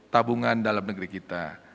tabungan dalam negeri kita